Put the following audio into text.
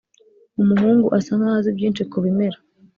umuhungu asa nkaho azi byinshi kubimera.